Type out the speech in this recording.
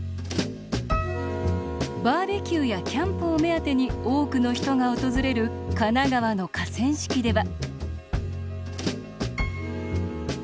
バーベキューやキャンプを目当てに多くの人が訪れる神奈川の河川敷では。